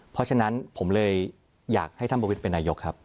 เพราะฉะนั้นผมเลยอยากให้ท่านประวิทย์เป็นนายกครับ